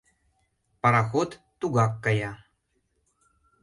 Пароход тугак кая.